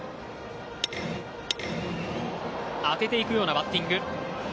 当てていくようなバッティング。